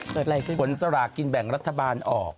คนน์สระกิณแบ่งรัฐบาลออก